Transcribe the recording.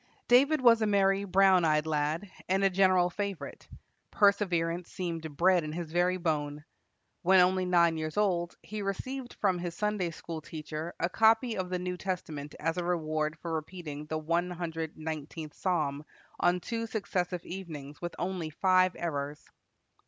David was a merry, brown eyed lad, and a general favorite. Perseverance seemed bred in his very bone. When only nine years old, he received from his Sunday school teacher a copy of the New Testament as a reward for repeating the one hundred nineteenth psalm on two successive evenings with only five errors.